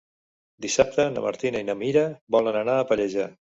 Dissabte na Martina i na Mira volen anar a Pallejà.